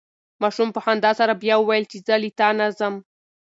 ماشوم په خندا سره بیا وویل چې زه له تا نه ځم.